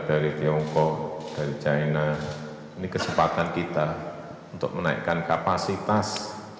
dari tiongkok dari china ini kesempatan kita untuk menaikkan kapasitas